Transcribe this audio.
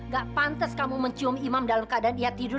gak pantas kamu mencium imam dalam keadaan ia tidur